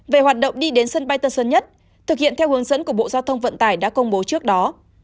về hoạt động đi đến sân bay tân sơn nhất thực hiện theo hướng dẫn của bộ giao thông vận tải đã công bố trước đó